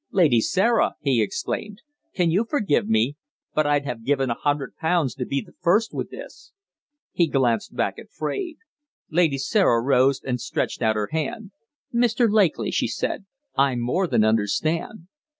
"Lady Sarah!" he exclaimed. "Can you forgive me? But I'd have given a hundred pounds to be the first with this!" He glanced back at Fraide. Lady Sarah rose and stretched out her hand. "Mr. Lakely," she said, "I more than understand!"